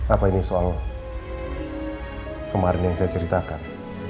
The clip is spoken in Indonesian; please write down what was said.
apa ini soal kemarin yang saya ceritakan